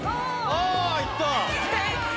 あいった！